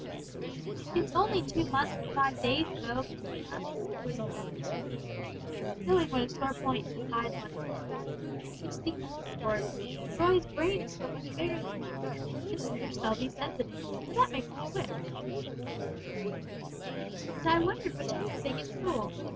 "It's only two months and five days, though, between us," put in Dudley, eagerly, knowing what a sore point his size was to Roy; "and you see, Mrs. Ford, Roy's brain is much bigger than mine Mr. Selby says it is, so that makes us quits!" "And I wonder which has the biggest soul?"